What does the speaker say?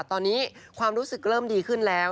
ตอนนี้ความรู้สึกเริ่มดีขึ้นแล้ว